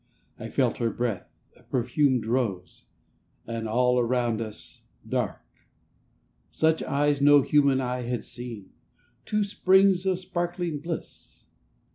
.. I felt her breath — a perfumed rose, And all around us—dark ... Such eyes no human eye had seen — Two springs of sparkling bliss